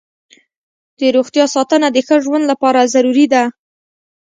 د روغتیا ساتنه د ښه ژوند لپاره ضروري ده.